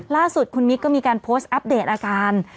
ล่าสุดคุณมิ๊กก็มีการโพสต์อัปเดตอาการ